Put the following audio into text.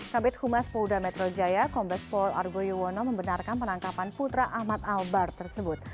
kabinet humas pouda metro jaya kompes pol argo yuwono membenarkan penangkapan putra ahmad albar tersebut